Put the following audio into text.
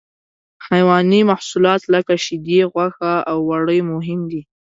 حیواني محصولات لکه شیدې، غوښه او وړۍ مهم دي.